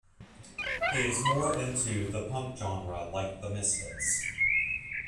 He is more into the Punk genre like the Misfits.